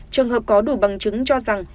trường hợp có đủ bằng chứng cho rằng